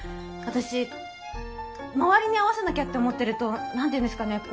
私周りに合わせなきゃって思ってると何て言うんですかね